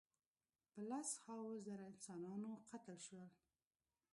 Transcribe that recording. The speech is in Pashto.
په لس هاوو زره انسانان قتل شول.